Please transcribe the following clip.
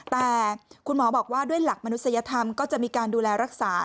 แต่คุณหมอบอกว่าด้วยหลักมนุษยธรรมก็จะมีการดูแลรักษา